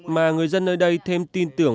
mà người dân nơi đây thêm tin tưởng